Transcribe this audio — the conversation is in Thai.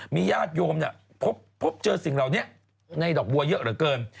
มีญาติโยมพบเจอสิ่งเหล่านี้ในดอกบัวเยอะเหลือเกิน